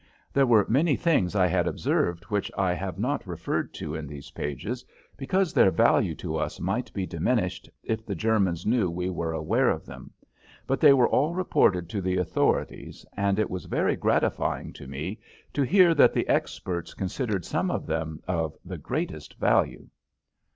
There were many things I had observed which I have not referred to in these pages because their value to us might be diminished if the Germans knew we were aware of them, but they were all reported to the authorities, and it was very gratifying to me to hear that the experts considered some of them of the greatest value.